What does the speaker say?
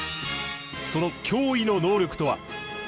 その驚異の能力とは？